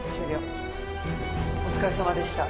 お疲れさまでした。